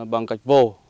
bằng gạch vồ